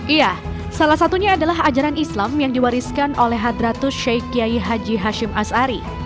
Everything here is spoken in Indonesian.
iya salah satunya adalah ajaran islam yang diwariskan oleh hadratus sheikh kiai haji hashim asari